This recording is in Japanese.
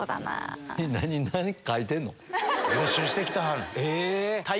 予習してきてはる。